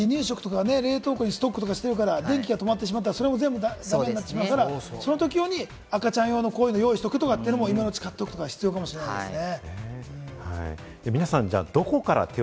離乳食とか冷凍庫にストックしてるから、電気が止まったら、それもだめになってしまうから、その時用に赤ちゃん用のこういうのを今のうちに買っておくことも必要かもしれないですね。